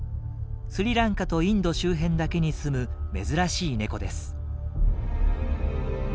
スリランカとインド周辺だけにすむ珍しいネコです。